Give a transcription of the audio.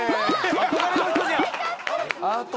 憧れの人じゃん。